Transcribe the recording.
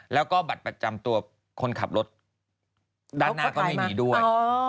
แล้วก็บัตรประจำตัวคนขับรถด้านหน้าก็ไม่มีด้วย